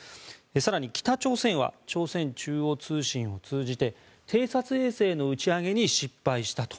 更に、北朝鮮は朝鮮中央通信を通じて偵察衛星の打ち上げに失敗したと。